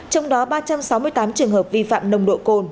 trong đó ba trăm sáu mươi tám trường hợp vi phạm nồng độ cồn